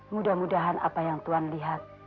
mudah mudahan apa yang tuhan lihat